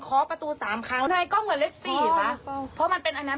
เคาะประตูสามครั้งในกล้องมันเลขสี่เหรอคะเพราะมันเป็นอันนั้น